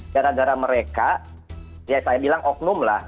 gara gara mereka ya saya bilang oknum lah